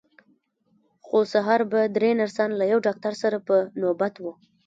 خو سهار به درې نرسان له یوه ډاکټر سره په نوبت وو.